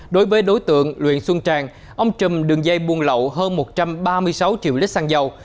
đối với đối tượng luyện xuân tràng ông trùm đường dây buôn lậu hơn một trăm ba mươi sáu triệu lít xăng dầu